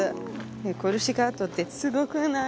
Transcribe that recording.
コルシカ島ってすごくない？